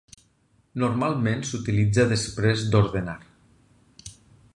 Normalment s'utilitza després d'ordenar.